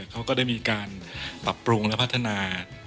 เขาก็ได้มีการปรับปรุงและพัฒนา